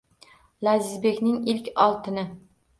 Lazizbekning ilk oltini